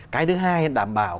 cái thứ hai là đảm bảo